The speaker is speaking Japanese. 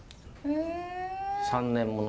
３年もの。